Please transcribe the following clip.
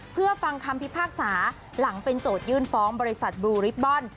เพื่อฟังคำพิพากษาหลังเป็นโจทยื่นฟ้องบริษัทบลูริบบอล